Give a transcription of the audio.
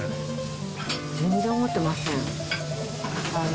全然思ってません。